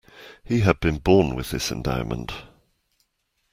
He had been born with this endowment.